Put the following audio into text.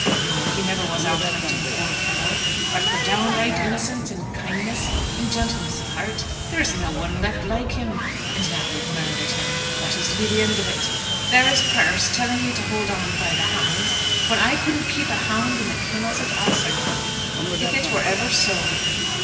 No, he never was out hunting, poor fellow. But for downright innocence and kindness and gentleness of heart, there is no one left like him. And now they have murdered him! What is to be the end of it? There is Persse telling me to hold on by the hounds, when I couldn't keep a hound in the kennels at Ahaseragh if it were ever so."